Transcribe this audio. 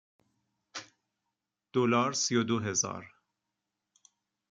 دلار سی و دو هزار